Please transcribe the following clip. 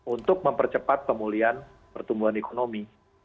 untuk mempercepat pemulihan pertumbuhan ekonomi